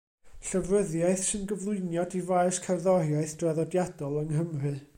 Llyfryddiaeth sy'n gyflwyniad i faes cerddoriaeth draddodiadol yng Nghymru.